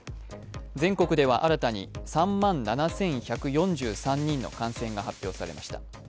全国では、新たに３万７１４３人の感染が発表されました